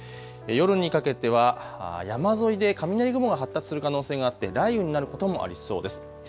夜にかけては山沿いで雷雲が発達する可能性があって雷雨になることもありそうです。